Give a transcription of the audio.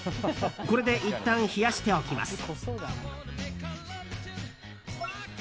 これでいったん冷やしておきます。